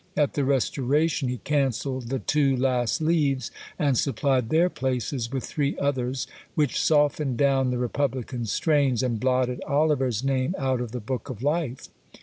At the Restoration, he cancelled the two last leaves, and supplied their places with three others, which softened down the republican strains, and blotted Oliver's name out of the book of life!